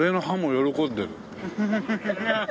喜んでる。